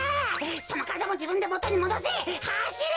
そのからだもじぶんでもとにもどせ！はしれ！